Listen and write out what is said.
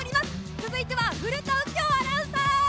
続いては古田敬郷アナウンサー！